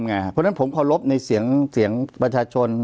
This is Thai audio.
เพราะฉะนั้นผมเคารพในเสียงประชาชน